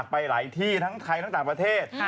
ไปหลายที่ทั้งไทยทั้งต่างประเทศ